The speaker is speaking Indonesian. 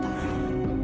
kamu jangan heran ya